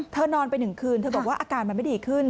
นอนไป๑คืนเธอบอกว่าอาการมันไม่ดีขึ้น